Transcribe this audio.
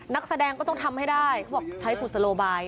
นักแสดงก็ต้องทำให้ได้เขาบอกใช้กุศโลบาย